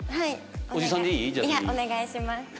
いやお願いします。